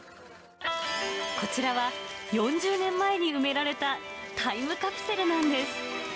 こちらは、４０年前に埋められたタイムカプセルなんです。